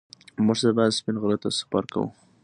موږ سبا سپین غره ته سفر کوو